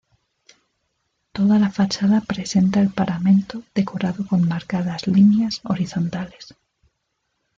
Toda la fachada presenta el paramento decorado con marcadas líneas horizontales.